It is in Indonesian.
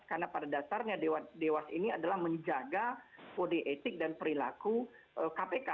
karena pada dasarnya dewas ini adalah menjaga kode etik dan perilaku kpk